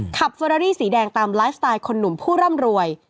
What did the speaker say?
เฟอรารี่สีแดงตามไลฟ์สไตล์คนหนุ่มผู้ร่ำรวย